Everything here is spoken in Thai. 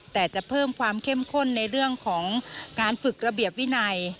แต่จะเพิ่มความเข้มข้นในเรื่องของการฝึกระเบียบวินัย